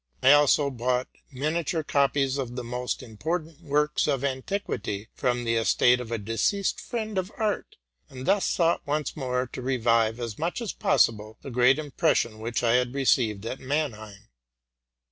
IT also bought miniature cop ies of the most important works of antiquity from the estate of a deceased friend of art, and thus sought once more to revive, as much as possible, the great impression which I had received at Mannheim.